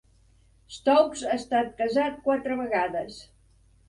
Stokes ha estat casat quatre vegades.